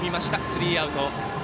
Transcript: スリーアウト。